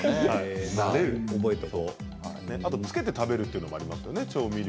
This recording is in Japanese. あと、つけて食べるというのもありますよね